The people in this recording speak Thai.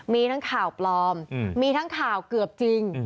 มีทั้งข่าวปลอมมีทั้งข่าวเกือบจริง